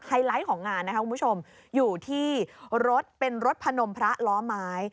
ไลท์ของงานนะคะคุณผู้ชมอยู่ที่รถเป็นรถพนมพระล้อไม้